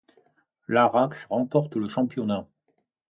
L'Araks remporte le championnat.